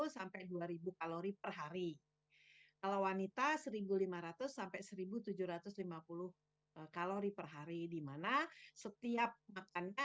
sampai dua ribu kalori per hari kalau wanita seribu lima ratus sampai seribu tujuh ratus lima puluh kalori per hari dimana setiap makannya